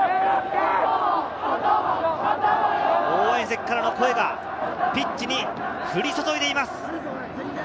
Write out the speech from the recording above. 応援席からの声がピッチに降り注いでいます。